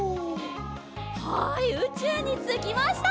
はいうちゅうにつきました！